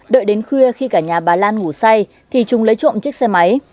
đợi đến khuya khi cả nhà bà lan ngủ say thì chúng lấy trộm chiếc xe máy